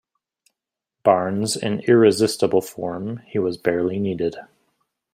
Barnes in irresistible form, he was barely needed.